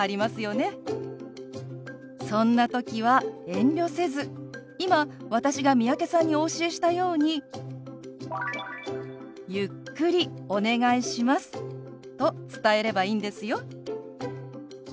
そんな時は遠慮せず今私が三宅さんにお教えしたように「ゆっくりお願いします」と伝えればいいんですよ。